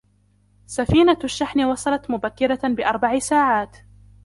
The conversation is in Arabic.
سفينة الشحن وصلت مبكرة باربع ساعات.